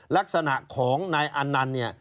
ลักษณะของนายอันนันต์เนี่ย